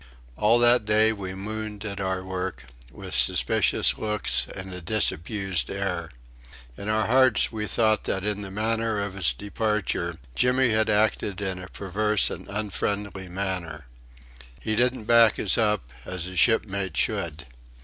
All that day we mooned at our work, with suspicious looks and a disabused air. In our hearts we thought that in the matter of his departure Jimmy had acted in a perverse and unfriendly manner. He didn't back us up, as a shipmate should.